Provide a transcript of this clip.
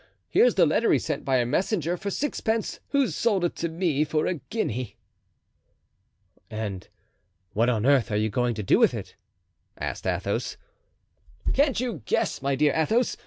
Here's the letter he sent by a messenger, for sixpence, who sold it to me for a guinea." "And what on earth are you going to do with it?" asked Athos. "Can't you guess, my dear Athos?